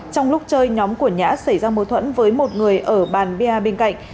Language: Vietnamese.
trong lúc chơi nhóm của nhã xảy ra mâu thuẫn với một người ở bàn bia bên cạnh